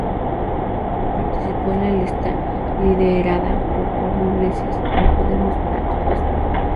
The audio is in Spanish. Participó en la lista liderada por Pablo Iglesias Podemos Para Todas.